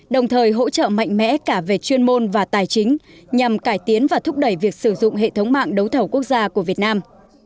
đồng thời hỗ trợ mạnh mẽ cả về chuyên môn và tài chính nhằm cải tiến và thúc đẩy việc sử dụng hệ thống mạng đấu thầu quốc gia của việt nam